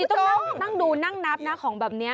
นี่ต้องนั่งนับน่ะของแบบนี้